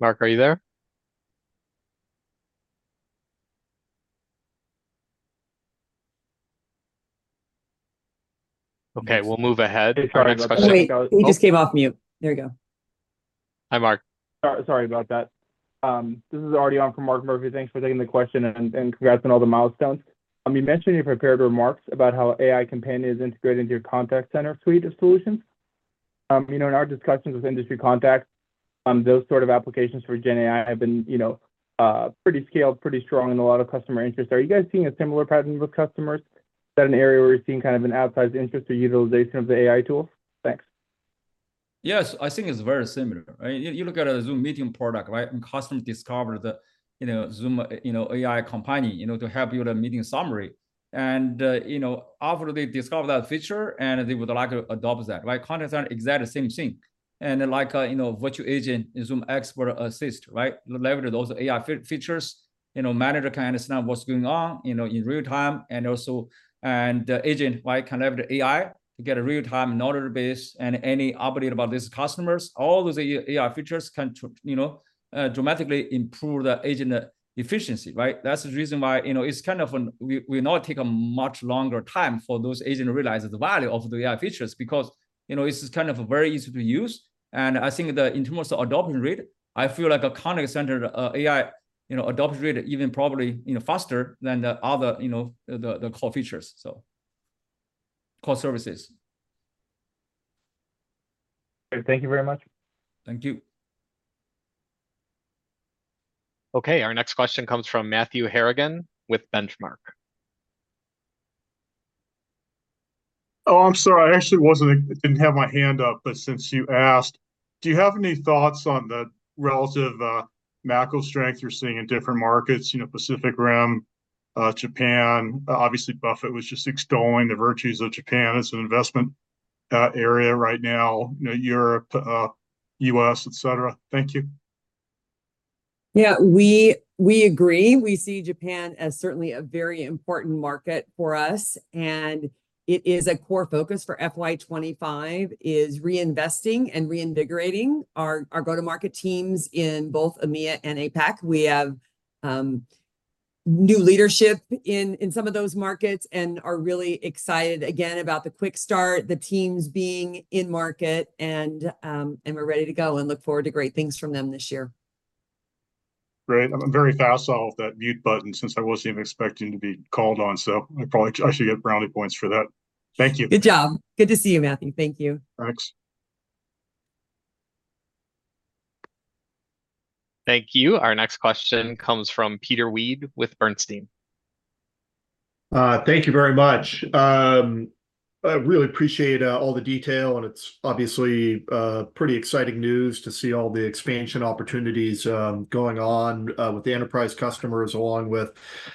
Mark, are you there?... Okay, we'll move ahead. Our next question- Wait, he just came off mute. There we go. Hi, Mark. Sorry, sorry about that. This is Arti Lin from Mark Murphy. Thanks for taking the question, and congrats on all the milestones. You mentioned in your prepared remarks about how AI Companion is integrated into your Contact Center suite of solutions. You know, in our discussions with industry contacts, those sort of applications for GenAI have been, you know, pretty scaled, pretty strong, and a lot of customer interest. Are you guys seeing a similar pattern with customers? Is that an area where you're seeing kind of an outsized interest or utilization of the AI tools? Thanks. Yes, I think it's very similar, right? You look at a Zoom Meeting product, right, and customers discover that, you know, Zoom AI Companion, you know, to help you with a meeting summary. And, you know, after they discover that feature, and they would like to adopt that, right? Contact Center, exact same thing. And like, you know, Virtual Agent and AI Expert Assist, right? Leverage those AI features, you know, manage the kind of, you know, what's going on, you know, in real time, and also... And the agent, right, can have the AI to get a real-time knowledge base and any update about these customers. All those AI features can, you know, dramatically improve the agent efficiency, right? That's the reason why, you know, it's kind of an... We not take a much longer time for those agents to realize the value of the AI features, because, you know, it's kind of very easy to use. And I think, in terms of adoption rate, I feel like a contact center AI, you know, adoption rate even probably, you know, faster than the other, you know, the core features, so core services. Thank you very much. Thank you. Okay, our next question comes from Matthew Harrigan with Benchmark. Oh, I'm sorry, I actually wasn't... I didn't have my hand up, but since you asked, do you have any thoughts on the relative macro strength you're seeing in different markets? You know, Pacific Rim, Japan. Obviously, Buffett was just extolling the virtues of Japan as an investment area right now, you know, Europe, U.S., et cetera. Thank you. Yeah, we, we agree. We see Japan as certainly a very important market for us, and it is a core focus for FY 25, is reinvesting and reinvigorating our, our go-to-market teams in both EMEA and APAC. We have, new leadership in, in some of those markets and are really excited again about the quick start, the teams being in market, and, and we're ready to go and look forward to great things from them this year. Great. I'm very fast off that mute button, since I wasn't expecting to be called on, so I probably actually get brownie points for that. Thank you. Good job. Good to see you, Matthew. Thank you. Thanks. Thank you. Our next question comes from Peter Weed with Bernstein. Thank you very much. I really appreciate all the detail, and it's obviously pretty exciting news to see all the expansion opportunities going on with the enterprise customers, along with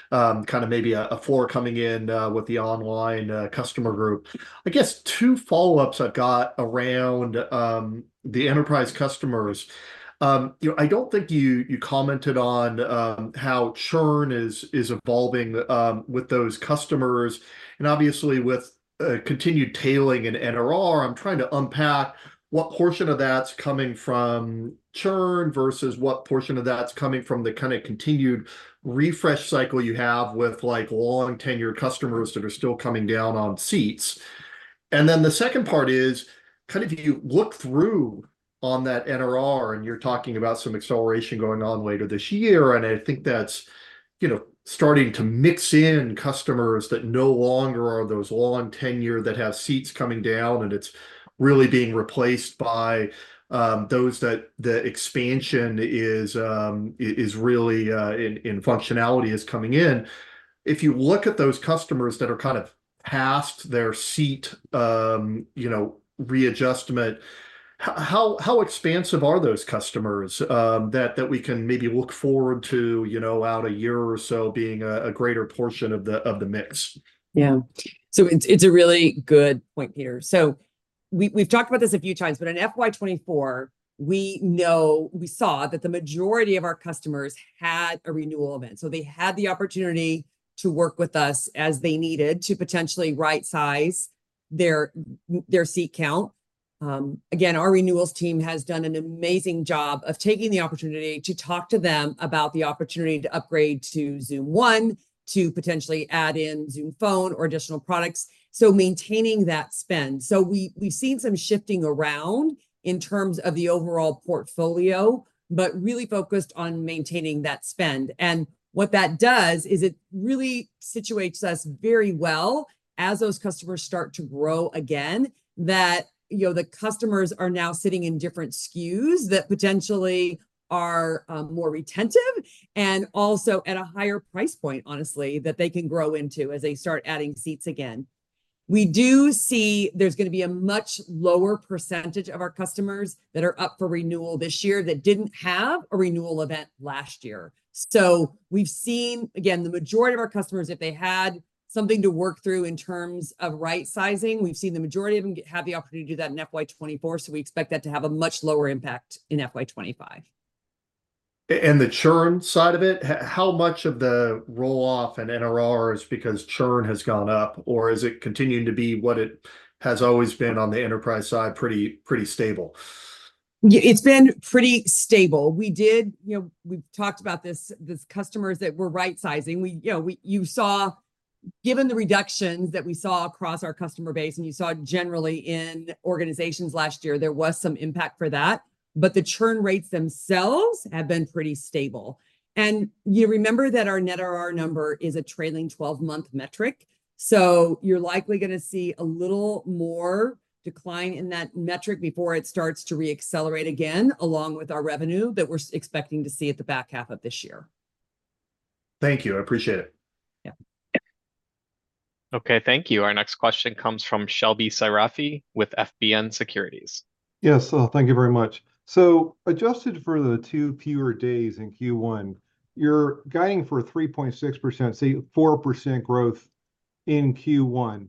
kind of maybe a floor coming in with the online customer group. I guess two follow-ups I've got around the enterprise customers. You know, I don't think you commented on how churn is evolving with those customers. And obviously, with continued tailing in NRR, I'm trying to unpack what portion of that's coming from churn versus what portion of that's coming from the kind of continued refresh cycle you have with, like, long-tenured customers that are still coming down on seats. And then the second part is, kind of you look through on that NRR, and you're talking about some acceleration going on later this year, and I think that's, you know, starting to mix in customers that no longer are those long tenure that have seats coming down, and it's really being replaced by, those that the expansion is, is really, in, in functionality is coming in. If you look at those customers that are kind of past their seat, you know, readjustment, how, how expansive are those customers, that, that we can maybe look forward to, you know, out a year or so being a, a greater portion of the, of the mix? Yeah. So it's a really good point, Peter. So we've talked about this a few times, but in FY24, we know we saw that the majority of our customers had a renewal event. So they had the opportunity to work with us as they needed to potentially rightsize their seat count. Again, our renewals team has done an amazing job of taking the opportunity to talk to them about the opportunity to upgrade to Zoom One, to potentially add in Zoom Phone or additional products, so maintaining that spend. So we've seen some shifting around in terms of the overall portfolio, but really focused on maintaining that spend. And what that does is it really situates us very well as those customers start to grow again, that, you know, the customers are now sitting in different SKUs that potentially are, more retentive and also at a higher price point, honestly, that they can grow into as they start adding seats again. We do see there's gonna be a much lower percentage of our customers that are up for renewal this year that didn't have a renewal event last year. So we've seen, again, the majority of our customers, if they had something to work through in terms of rightsizing, we've seen the majority of them have the opportunity to do that in FY 2024, so we expect that to have a much lower impact in FY 2025. The churn side of it, how much of the roll-off in NRR is because churn has gone up, or is it continuing to be what it has always been on the enterprise side, pretty, pretty stable?... Yeah, it's been pretty stable. We did, you know, we've talked about this, these customers that we're right-sizing. We, you know, you saw, given the reductions that we saw across our customer base, and you saw generally in organizations last year, there was some impact for that. But the churn rates themselves have been pretty stable. And you remember that our net RR number is a trailing 12-month metric, so you're likely gonna see a little more decline in that metric before it starts to re-accelerate again, along with our revenue that we're expecting to see at the back half of this year. Thank you. I appreciate it. Yeah. Okay, thank you. Our next question comes from Shebly Seyrafi with FBN Securities. Yes, so thank you very much. Adjusted for the two fewer days in Q1, you're guiding for 3.6%, say, 4% growth in Q1.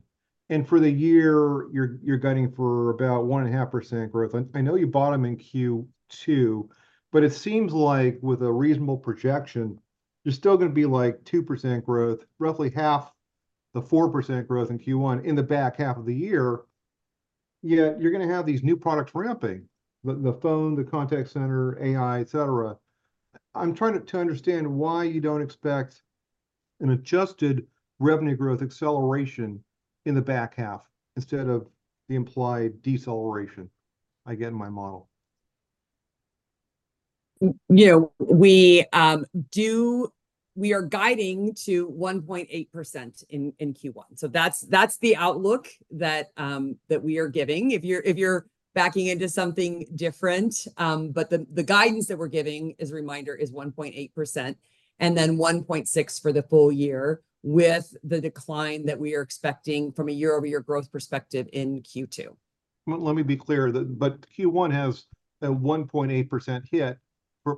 And for the year, you're guiding for about 1.5% growth. I know you bottomed in Q2, but it seems like with a reasonable projection, you're still gonna be, like, 2% growth, roughly half the 4% growth in Q1 in the back half of the year, yet you're gonna have these new products ramping, the phone, the contact center, AI, et cetera. I'm trying to understand why you don't expect an adjusted revenue growth acceleration in the back half instead of the implied deceleration I get in my model? You know, we are guiding to 1.8% in Q1, so that's the outlook that we are giving. If you're backing into something different, but the guidance that we're giving, as a reminder, is 1.8%, and then 1.6% for the full year, with the decline that we are expecting from a year-over-year growth perspective in Q2. Well, let me be clear, but Q1 has a 1.8% hit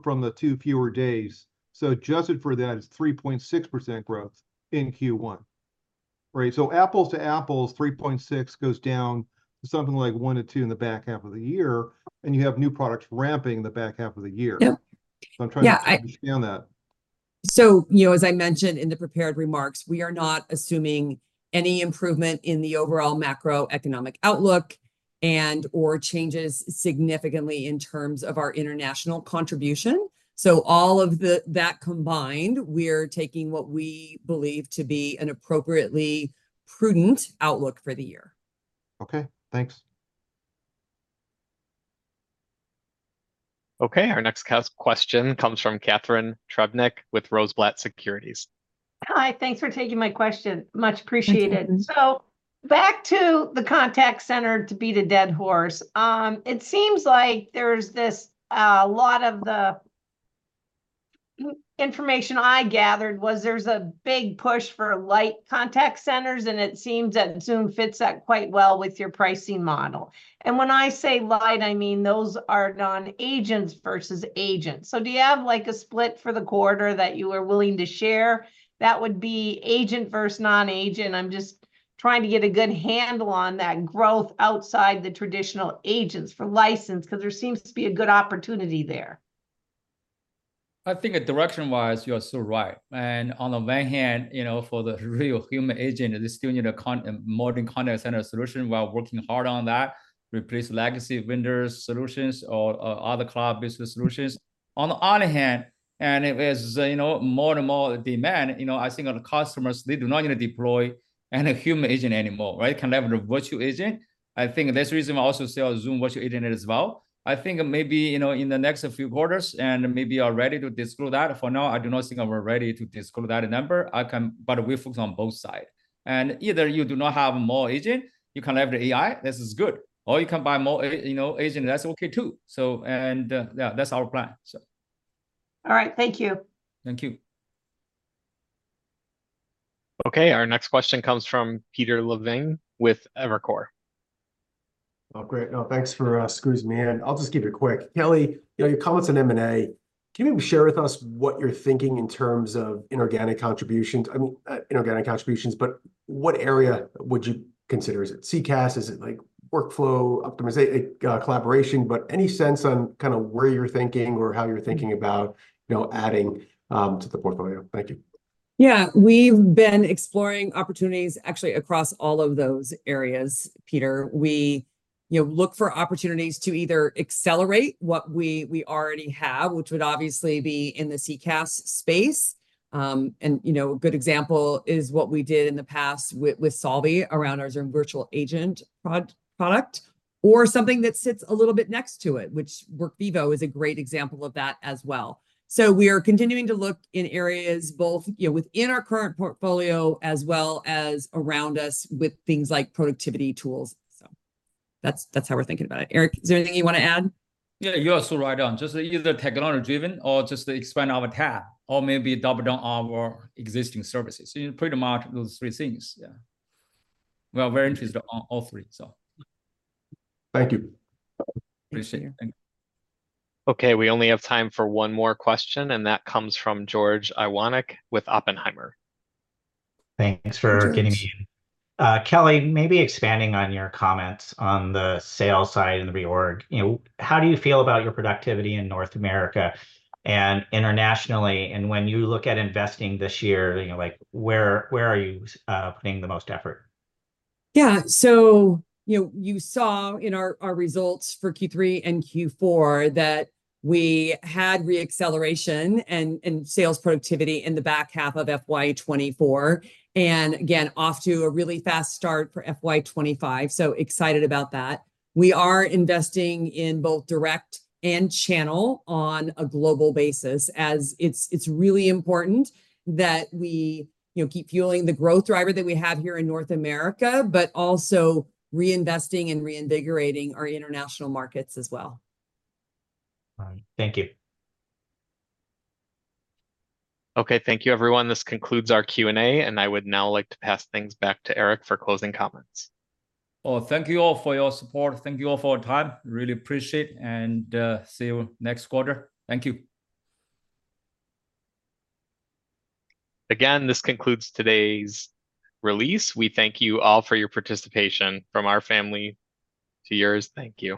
from the two fewer days, so adjusted for that, it's 3.6% growth in Q1, right? So apples to apples, 3.6 goes down to something like 1% to 2% in the back half of the year, and you have new products ramping in the back half of the year. Yeah. So I'm trying to- Yeah, I-... understand that. So, you know, as I mentioned in the prepared remarks, we are not assuming any improvement in the overall macroeconomic outlook, and/or changes significantly in terms of our international contribution. So all of the, that combined, we're taking what we believe to be an appropriately prudent outlook for the year. Okay, thanks. Okay, our next question comes from Catharine Trebnick with Rosenblatt Securities. Hi, thanks for taking my question. Much appreciated. Thanks, Catherine. So back to the contact center to beat a dead horse, it seems like there's this, a lot of the information I gathered was there's a big push for light contact centers, and it seems that Zoom fits that quite well with your pricing model. And when I say light, I mean those are non-agents versus agents. So do you have, like, a split for the quarter that you are willing to share? That would be agent versus non-agent. I'm just trying to get a good handle on that growth outside the traditional agents for license, 'cause there seems to be a good opportunity there. I think that direction-wise, you are so right. And on the one hand, you know, for the real human agent, they still need a modern contact center solution while working hard on that, replace legacy vendors, solutions or, or other cloud-based solutions. On the other hand, and it is, you know, more and more demand, you know, I think on the customers, they do not gonna deploy any human agent anymore, right? Collaborative virtual agent. I think that's the reason we also sell Zoom Virtual Agent as well. I think maybe, you know, in the next few quarters, and maybe you are ready to disclose that. For now, I do not think that we're ready to disclose that number. I can... But we focus on both side. Either you do not have more agent, you can have the AI, this is good, or you can buy more, you know, agent, and that's okay, too. So, yeah, that's our plan, so. All right, thank you. Thank you. Okay, our next question comes from Peter Levine with Evercore. Oh, great. No, thanks for squeezing me in. I'll just keep it quick. Kelly, you know, your comments on M&A, can you share with us what you're thinking in terms of inorganic contributions? I mean, inorganic contributions, but what area would you consider? Is it CCaaS? Is it, like, workflow collaboration? But any sense on kind of where you're thinking or how you're thinking about, you know, adding to the portfolio? Thank you. Yeah, we've been exploring opportunities actually across all of those areas, Peter. We, you know, look for opportunities to either accelerate what we, we already have, which would obviously be in the CCaaS space. And you know, a good example is what we did in the past with, with Solvvy around our Zoom Virtual Agent product, or something that sits a little bit next to it, which Workvivo is a great example of that as well. So we are continuing to look in areas both, you know, within our current portfolio, as well as around us with things like productivity tools. So that's, that's how we're thinking about it. Eric, is there anything you want to add? Yeah, you are so right on. Just either technology-driven or just to expand our TAM, or maybe double down our existing services. So, pretty much those three things. Yeah. We are very interested in all three, so. Thank you. Appreciate it. Thank you. Okay, we only have time for one more question, and that comes from George Iwanyc with Oppenheimer. Thanks for getting me in. Thanks, George. Kelly, maybe expanding on your comments on the sales side and the reorg, you know, how do you feel about your productivity in North America and internationally? And when you look at investing this year, you know, like, where, where are you putting the most effort? Yeah, so, you know, you saw in our, our results for Q3 and Q4 that we had re-acceleration and, and sales productivity in the back half of FY 2024, and again, off to a really fast start for FY 2025, so excited about that. We are investing in both direct and channel on a global basis, as it's, it's really important that we, you know, keep fueling the growth driver that we have here in North America, but also reinvesting and reinvigorating our international markets as well. All right. Thank you. Okay, thank you, everyone. This concludes our Q&A, and I would now like to pass things back to Eric for closing comments. Well, thank you all for your support. Thank you all for your time. Really appreciate, and see you next quarter. Thank you. Again, this concludes today's release. We thank you all for your participation. From our family to yours, thank you.